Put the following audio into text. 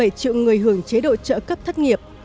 bảy triệu người hưởng chế độ trợ cấp thất nghiệp